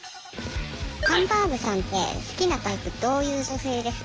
ハンバーグさんって好きなタイプどういう女性ですか？